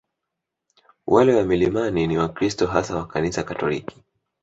Wale wa milimani ni Wakristo hasa wa Kanisa Katoliki